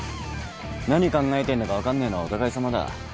何考えてんのか分かんねえのはお互いさまだ。